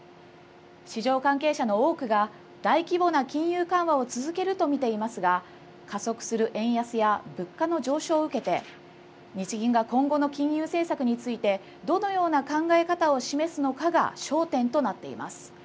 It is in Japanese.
市場関係者の多くが大規模な金融緩和を続けると見ていますが加速する円安や物価の上昇を受けて日銀が今後の金融政策についてどのような考え方を示すのかが焦点となっています。